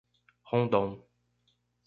Rondon